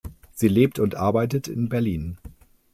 Sie lebt und arbeitet in Berlin.